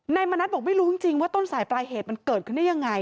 มณัฐบอกไม่รู้จริงว่าต้นสายปลายเหตุมันเกิดขึ้นได้ยังไง